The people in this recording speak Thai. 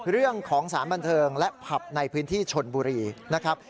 เรื่องของสารบันเทิงและผับในพื้นที่ชนบุรีนะครับ